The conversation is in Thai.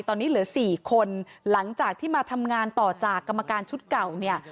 ตอนนี้เหลือ๔คนหลังจากที่มาทำงานต่อจากกรรมการชุดเก่าเนี่ย